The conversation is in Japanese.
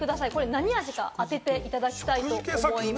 何味か当てていただきたいです。